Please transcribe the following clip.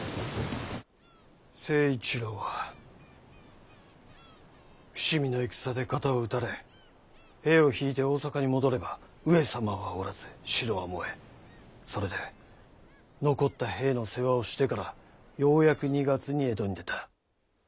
成一郎は伏見の戦で肩を撃たれ兵を退いて大坂に戻れば上様はおらず城は燃えそれで残った兵の世話をしてからようやく２月に江戸に出た。